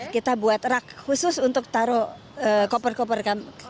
kita buat rak khusus untuk taruh koper koper kami